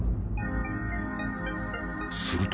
［すると］